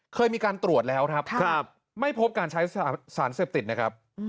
เคยมีการตรวจแล้วครับไม่พบการใช้สารเสพติดนะครับ